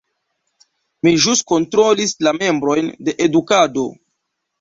Mi ĵus kontrolis la membrojn de edukado.